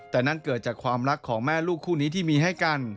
แต่นั่นเกิดจากความรักของแม่ลูกคู่นี้ที่มีให้กัน